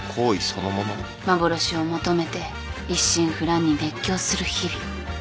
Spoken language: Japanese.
幻を求めて一心不乱に熱狂する日々。